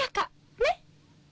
ねっ！